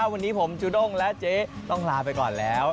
วันนี้ผมจูด้งและเจ๊ต้องลาไปก่อนแล้ว